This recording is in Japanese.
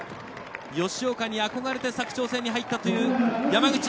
吉岡に憧れて佐久長聖に入った山口。